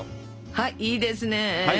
はいいいですね。